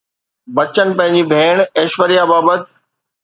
بچن پنهنجي ڀيڻ ايشوريا بابت